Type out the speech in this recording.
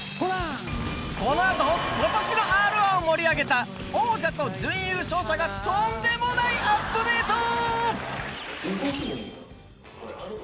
このあと今年のＲ−１を盛り上げた王者と準優勝者がとんでもないアップデート！